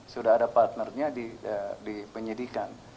sudah ada partnernya di penyidikan